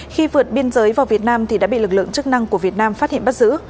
khi vượt biên giới vào việt nam thì đã bị lực lượng chức năng của việt nam phát hiện bắt giữ